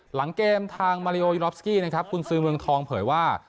หลังเกมทางมาริโอยูรอฟสกี้นะครับคุณซื้อเมืองทองเผยว่า